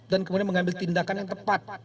dan kemudian mengambil tindakan yang tepat